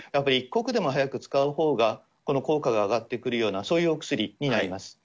一刻でも早く使うほうが、この効果が上がってくるような、そういうお薬になります。